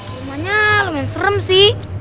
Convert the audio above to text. rumahnya lumayan serem sih